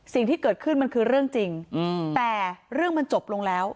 สิ่งที่เกิดขึ้นมันคือเรื่องจริงแต่เรื่องมันจบลงแล้ว